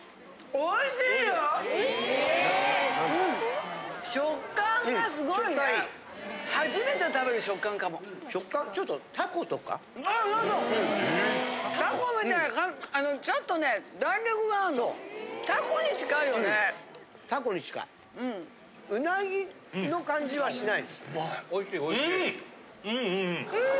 ・おいしいおいしい・うん！